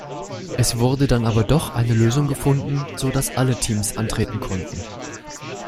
Es wurde dann aber doch eine Lösung gefunden, so dass alle Teams antreten konnten.